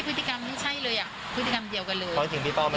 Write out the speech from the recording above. พฤติกรรมไม่ใช่เลยอ่ะพฤติกรรมเดียวกันเลย